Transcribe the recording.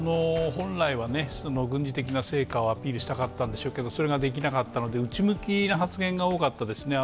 本来は軍事的な成果をアピールしたかったんでしょうけどそれができなかったので内向きな発言が多かったですね。